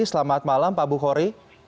selamat malam pak bu khori